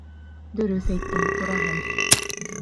Дөрөҫ әйттең, тураһын.